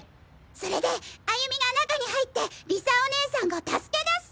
それで歩美が中に入って理沙お姉さんを助け出す！